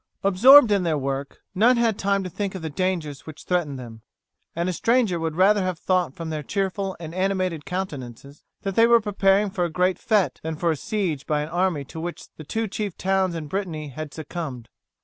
Absorbed in their work, none had time to think of the dangers which threatened them, and a stranger would rather have thought from their cheerful and animated countenances that they were preparing for a great fete than for a siege by an army to which the two chief towns in Brittany had succumbed.